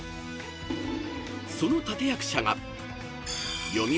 ［その立役者が］